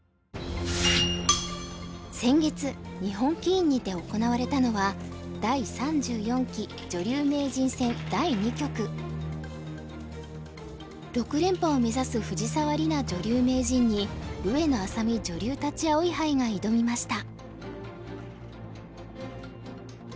先月日本棋院にて行われたのは６連覇を目指す藤沢里菜女流名人に上野愛咲美女流立葵杯が挑みました。